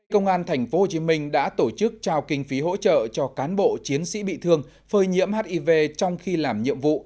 công an tp hcm đã tổ chức trao kinh phí hỗ trợ cho cán bộ chiến sĩ bị thương phơi nhiễm hiv trong khi làm nhiệm vụ